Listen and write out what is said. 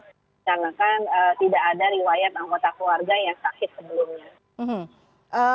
dikarenakan tidak ada riwayat anggota keluarga yang sakit sebelumnya